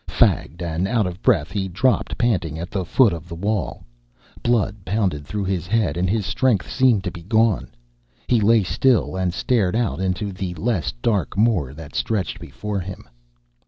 Fagged and out of breath, he dropped panting at the foot of the wall. Blood pounded through his head and his strength seemed to be gone. He lay still and stared out into the less dark moor that stretched before him.